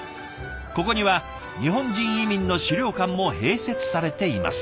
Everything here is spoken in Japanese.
ここには日本人移民の史料館も併設されています。